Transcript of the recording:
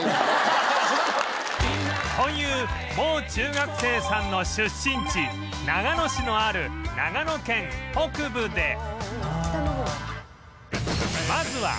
というもう中学生さんの出身地長野市のある長野県北部で